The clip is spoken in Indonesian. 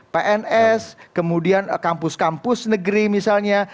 pns kemudian kampus kampus negeri misalnya